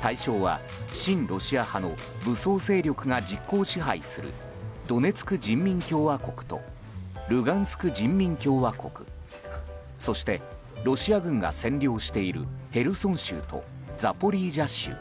対象は親ロシア派の武装勢力が実効支配するドネツク人民共和国とルガンスク人民共和国そして、ロシア軍が占領しているヘルソン州とザポリージャ州。